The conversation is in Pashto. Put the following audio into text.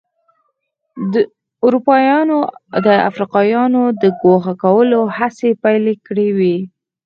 اروپایانو د افریقایانو د ګوښه کولو هڅې پیل کړې وې.